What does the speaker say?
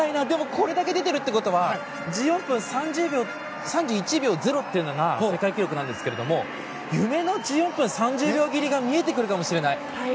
これだけ来てるってことは１４分３１秒０というのが世界記録なんですが夢の１４分３０秒切りが見えてくるかもしれない。